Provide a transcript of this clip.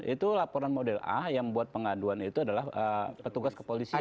itu laporan model a yang membuat pengaduan itu adalah petugas kepolisian